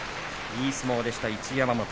いい相撲でした、一山本。